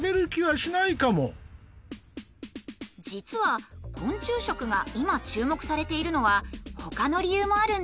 実は昆虫食が今注目されているのはほかの理由もあるんです。